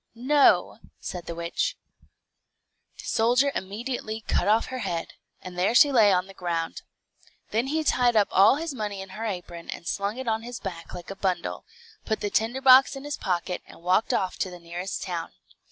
"No," said the witch. The soldier immediately cut off her head, and there she lay on the ground. Then he tied up all his money in her apron, and slung it on his back like a bundle, put the tinderbox in his pocket, and walked off to the nearest town.